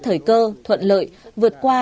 thời cơ thuận lợi vượt qua